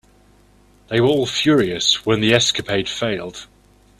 They were all furious when the escapade failed.